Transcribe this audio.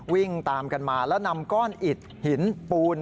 วิ่งตามกันมาแล้วนำก้อนอิดหินปูน